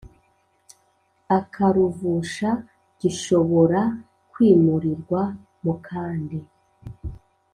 Akaruvusha Gishobora kwimurirwa mu kandi